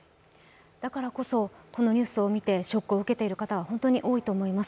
だからこそ、このニュースを見てショックを受けている方いらっしゃると思います。